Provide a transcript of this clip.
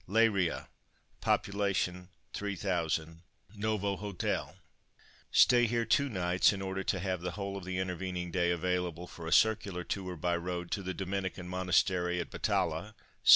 LEIRIA (pop. 3000, Novo Hotel).—Stay here two nights in order to have the whole of the intervening day available for a circular tour by road to the Dominican Monastery at Batalha (7m.)